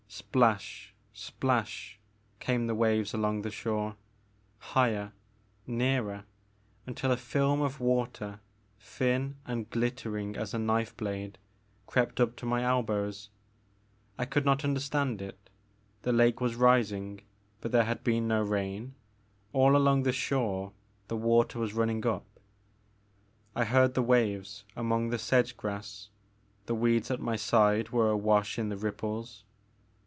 Splash, splash, came the waves along the shore, higher, nearer, until a film of water, thin and glittering as a knife blade, crept up to my elbows. I could not understand it ; the lake was rising, but there had been no rain. All along the shore the water was running up ; I heard the waves among the sedge grass; the weeds at my side were awash in the ripples.